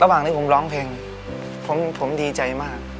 ระหว่างที่ผมร้องเพลงผมดีใจมาก